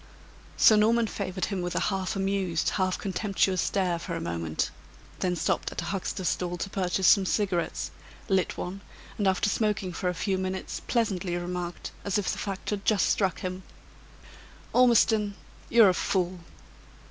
Sir Norman favored him with a half amused, half contemptuous stare for a moment; then stopped at a huckster's stall to purchase some cigarettes; lit one, and after smoking for a few minutes, pleasantly remarked, as if the fact had just struck him: "Ormiston, you're a fool!"